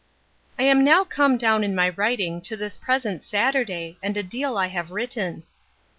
I am now come down in my writing to this present SATURDAY, and a deal I have written.